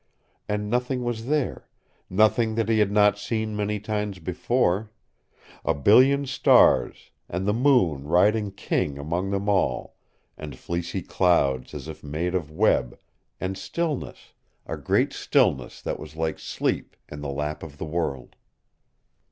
And nothing was there nothing that he had not seen many times before; a billion stars, and the moon riding King among them all, and fleecy clouds as if made of web, and stillness, a great stillness that was like sleep in the lap of the world.